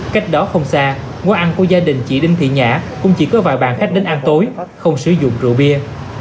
cách đó không xa quán ăn của gia đình chị đinh thị nhã cũng chỉ có vài bạn khách đến ăn tối không sử dụng rượu bia